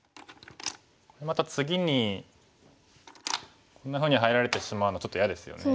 また次にこんなふうに入られてしまうのちょっと嫌ですよね。